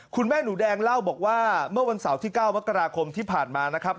คุณแม่หนูแดงเล่าบอกว่าเมื่อวันเสาร์ที่๙มกราคมที่ผ่านมานะครับ